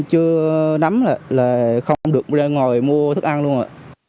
chưa nắm là không được ra ngoài mua thức ăn luôn ạ